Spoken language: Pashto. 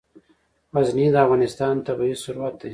غزني د افغانستان طبعي ثروت دی.